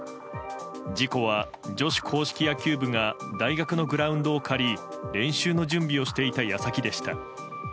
事故は、女子硬式野球部が大学のグラウンドを借り練習の準備をしていた矢先でした。